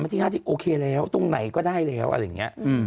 มันที่ห้าที่โอเคแล้วตรงไหนก็ได้แล้วอะไรอย่างเงี้ยอืม